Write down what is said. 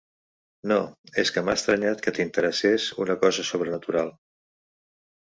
No, és que m'ha estranyat que t'interessés una cosa sobrenatural.